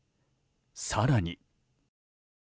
更に。